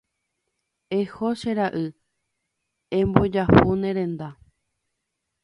Eho che ra'y embojahu ne renda.